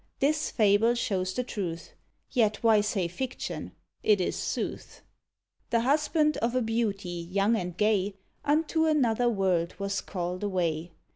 This fable shows the truth: Yet why say fiction? it is sooth. The husband of a beauty, young and gay, Unto another world was call'd away.